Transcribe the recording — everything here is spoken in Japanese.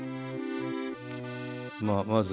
まあまず。